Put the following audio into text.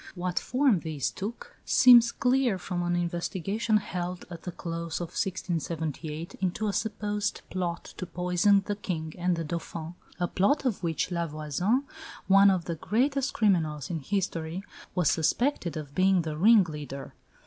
What form these took seems clear from an investigation held at the close of 1678 into a supposed plot to poison the King and the Dauphin a plot of which La Voisin, one of the greatest criminals in history, was suspected of being the ringleader.